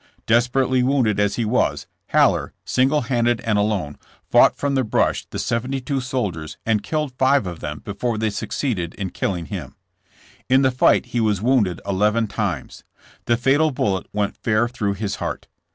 Desperately wounded as he was, Haller, single handed and alone, fought from the brush the seventy two soldiers and killed five of them before they succeeded in killing him. In the fight he was wounded eleven times. The fatal bullet went fair through his heart.